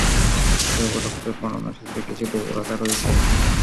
তবে উপরোক্ত বর্ণনার সূত্রে কিছু দুর্বলতা রয়েছে।